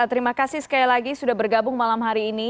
terima kasih sekali lagi sudah bergabung malam hari ini